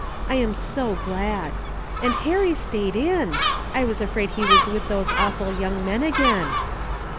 I am so glad. And Harry stayed in ! I was afraid he was with those awful young men again."